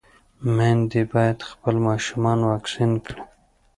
ميندې بايد خپل ماشومان واکسين کړي.